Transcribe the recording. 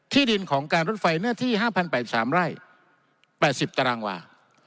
ดินของการรถไฟเนื้อที่๕๐๘๓ไร่๘๐ตารางวา